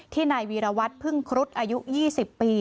นายวีรวัตรพึ่งครุฑอายุ๒๐ปี